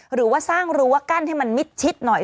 หรือว่าสร้างรั้วกั้นให้มันมิดชิดหน่อย